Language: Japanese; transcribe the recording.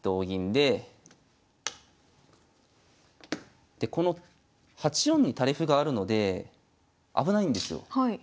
でこの８四に垂れ歩があるので危ないんですよ。